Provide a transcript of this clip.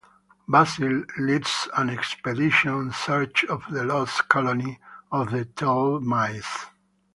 Basil leads an expedition in search of the Lost Colony of the Tellmice.